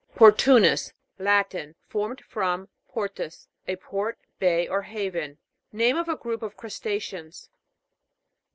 PORTU'NUS. Latin. Formed from, portus, a port, bay, or haven. Name of a group of crusta'ceans.